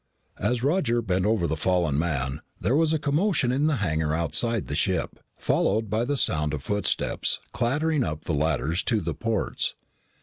As Roger bent over the fallen man, there was a commotion in the hangar outside the ship, followed by the sound of footsteps clattering up the ladders to the ports.